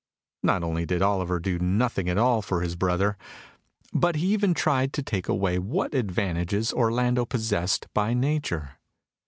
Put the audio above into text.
Not only did Oliver do nothing at all for his brother, but he even tried to take away what advantages Orlando possessed by nature.